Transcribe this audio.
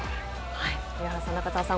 上原さん、中澤さん